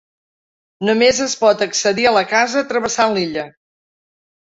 Només es pot accedir a la casa travessant l'illa.